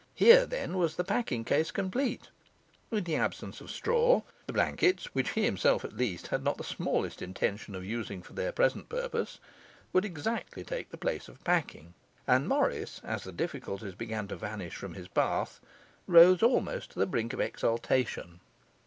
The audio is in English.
Here, then, was the packing case complete; in the absence of straw, the blankets (which he himself, at least, had not the smallest intention of using for their present purpose) would exactly take the place of packing; and Morris, as the difficulties began to vanish from his path, rose almost to the brink of exultation.